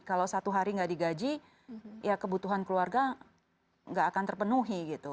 kalau satu hari nggak digaji ya kebutuhan keluarga nggak akan terpenuhi gitu